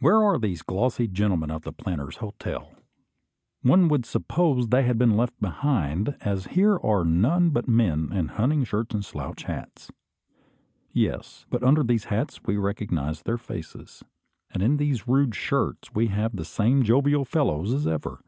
Where are the glossy gentlemen of the Planters' Hotel? One would suppose they had been left behind, as here are none but men in hunting shirts and slouch hats. Yes; but under these hats we recognise their faces, and in these rude shirts we have the same jovial fellows as ever.